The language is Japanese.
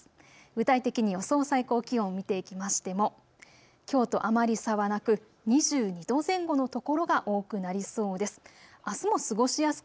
具体的に予想最高気温、見ていきましても、きょうとあまり差はなく２２度前後の所が多くなりそうです。